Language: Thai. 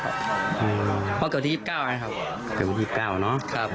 เพราะเกี่ยวกับที่ยิบเก้าไหมครับเกี่ยวกับที่ยิบเก้าเนอะครับ